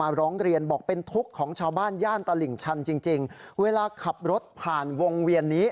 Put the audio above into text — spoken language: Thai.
ร้องเรียนบอกเป็นทุกข์ของชาวบ้านย่านตลิ่งชันจริงจริงเวลาขับรถผ่านวงเวียนนี้